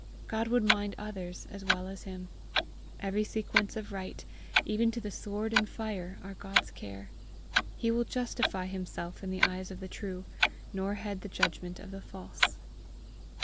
God would mind others as well as him! Every sequence of right, even to the sword and fire, are God's care; he will justify himself in the eyes of the true, nor heed the judgment of the false.